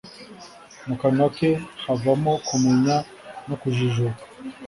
mu kanwa ke havamo kumenya no kujijuka